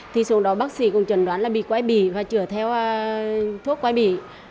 thì xuống đó bác sĩ cũng chuẩn đoán là bị quái bì và chữa theo thuốc quái bì